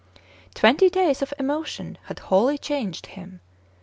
Twenty days of emotion had wholly changed him.